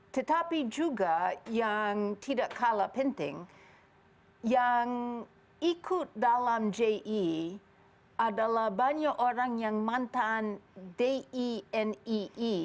tetapi juga yang tidak kalah penting yang ikut dalam ji adalah banyak orang yang mantan dinei